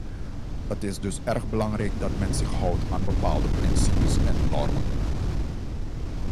Het is dus erg belangrijk dat men zich houdt aan bepaalde principes en normen.